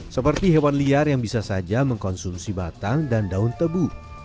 seperti hewan liar yang bisa saja mengkonsumsi batang dan daun tebu